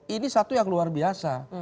ini satu yang luar biasa